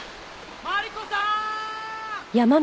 マリコさーん！